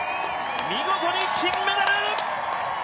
見事に金メダル！